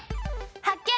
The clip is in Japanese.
発見！